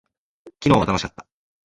昨日は楽しかった。